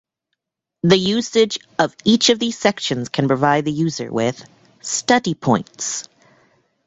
The usage of each of these sections can provide the user with ""study points"".